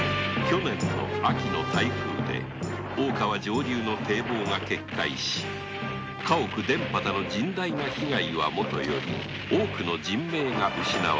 去年の秋の台風で大川上流の堤防が決壊し家屋田畑の甚大な被害はもとより多くの人命が失われた。